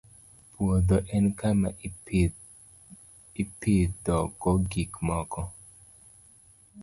Puodho en kama ipidhogo gik moko